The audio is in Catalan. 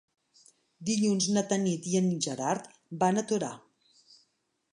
Dilluns na Tanit i en Gerard van a Torà.